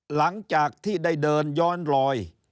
หลังจากที่ได้เดินย้อนรอย